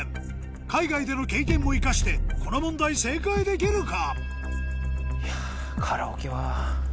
海外での経験も生かしてこの問題正解できるか？